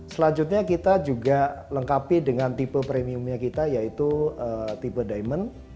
selanjutnya kita juga lengkapi dengan tipe premiumnya kita yaitu tipe diamond